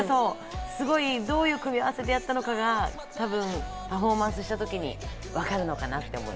どういう組み合わせでやったのか、パフォーマンスした時に分かるのかなって。